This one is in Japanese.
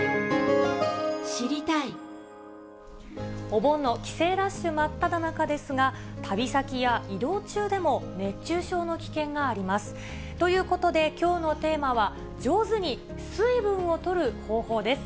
お盆の帰省ラッシュ真っただ中ですが、旅先や移動中でも、熱中症の危険があります。ということで、きょうのテーマは、上手に水分をとる方法です。